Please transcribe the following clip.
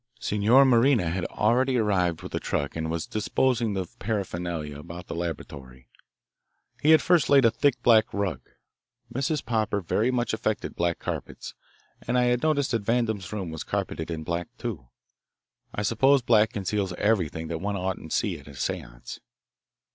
Signor Marina had already arrived with a truck and was disposing the paraphernalia about the laboratory. He had first laid a thick black rug. Mrs. Popper very much affected black carpets, and I had noticed that Vandam's room was carpeted in black, too. I suppose black conceals everything that one oughtn't to see at a seance.